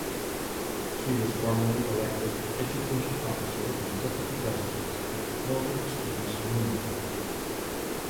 She was formerly elected Education Officer and Deputy President at Warwick Students’ Union.